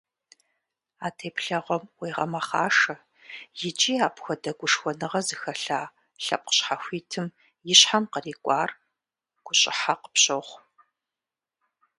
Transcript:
А теплъэгъуэм уегъэмэхъашэ икӀи апхуэдэ гушхуэныгъэ зыхэлъа лъэпкъ щхьэхуитым и щхьэм кърикӀуар гущӀыхьэ къыпщохъу.